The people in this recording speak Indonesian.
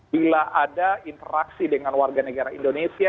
bila ada interaksi dengan warga negara indonesia